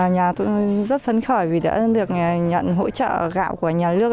nhà tôi rất phấn khởi vì đã được nhận hỗ trợ gạo của nhà nước